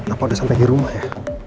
apa udah sampai di rumah ya